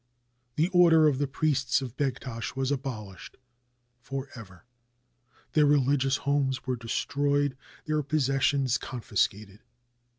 The order of the priests of Begtash was abolished forever, their religious homes were destroyed, their possessions confiscated.